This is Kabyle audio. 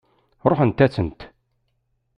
Ṛuḥent-asent.